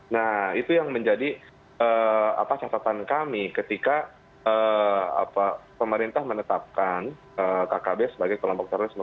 nah itu yang menjadi catatan kami ketika pemerintah menetapkan kkb sebagai kelompok terorisme